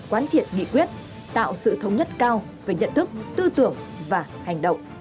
quán triển nghị quyết tạo sự thống nhất cao với nhận thức tư tưởng và hành động